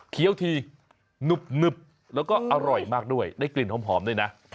ทีหนึบแล้วก็อร่อยมากด้วยได้กลิ่นหอมด้วยนะ